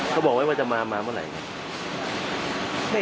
เขาบอกไว้ว่าจะมามาเมื่อไหร่ไง